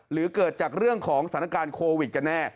หรือเกิดจากเรื่องของสถานการณ์โควิดกันแน่